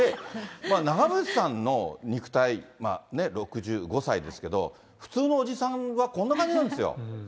長渕さんの肉体、６５歳ですけど、普通のおじさんはこんな感じなんですよ。